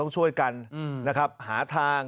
ช่วยกันนะครับหาทาง